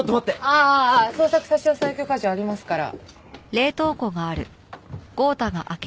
ああ捜索差押許可状ありますから。